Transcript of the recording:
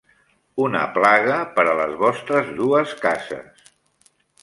Una plaga per a les vostres dues cases